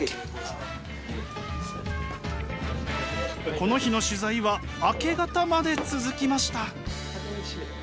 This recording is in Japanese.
この日の取材は明け方まで続きました。